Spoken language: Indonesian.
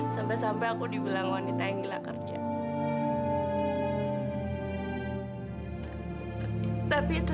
sampai jumpa di video selanjutnya